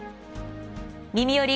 「みみより！